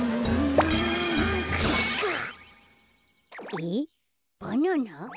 えっバナナ？